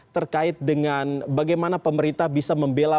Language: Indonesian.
terkait dengan bagaimana pemerintah bisa membela